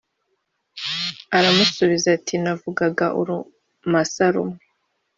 aramusibiza ati"navugaga urumasa rumwe